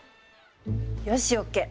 よしＯＫ！